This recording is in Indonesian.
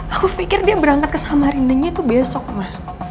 aku pikir dia berangkat ke samarindanya itu besok ma